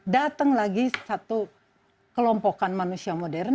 datang lagi satu kelompokan manusia modern